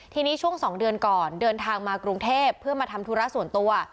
ทีนี้ช่วง๒เดือนก่อนเดินทางมากรุงเทพเพื่อมาทำธุระส่วนตัว